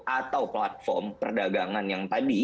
atau platform perdagangan yang tadi